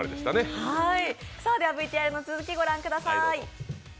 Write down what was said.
では、ＶＴＲの続きご覧ください。